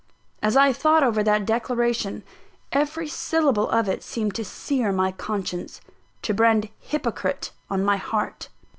As I thought over that declaration, every syllable of it seemed to sear my conscience; to brand Hypocrite on my heart.